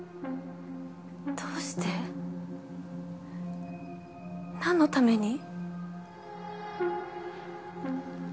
どうしてなんのために？